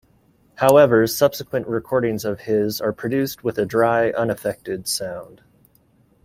However, subsequent recordings of his are produced with a dry, unaffected sound.